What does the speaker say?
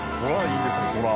寅いいですね寅。